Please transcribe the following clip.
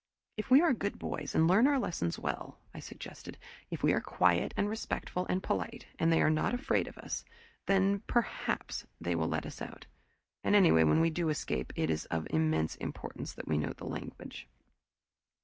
"If we are good boys and learn our lessons well," I suggested. "If we are quiet and respectful and polite and they are not afraid of us then perhaps they will let us out. And anyway when we do escape, it is of immense importance that we know the language."